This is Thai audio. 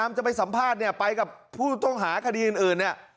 จะไปสัมภาษณ์เนี่ยไปกับผู้ต้องหาคดีอื่นเนี่ย